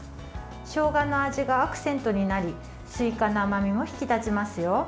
しょうがの味がアクセントになりすいかの甘みも引き立ちますよ。